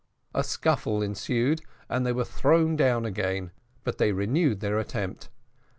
A scuffle ensued, and they were thrown down again, but they renewed their attempt.